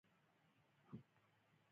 حرکت کول ولې پکار دي؟